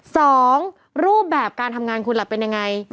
สองรูปแบบการทำงานคุณล่ะเป็นยังไง